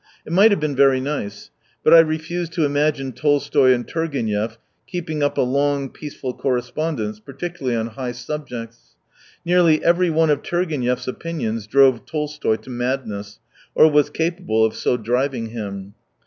It might have been very nice — but I refuse to imagine Tolstoy and Turgenev keeping up a long, peaceful corre spondence, particularly on high subjects. Nearly every one of Turgenev's opinions drove Tolstoy to madness, or was capable of so driving him.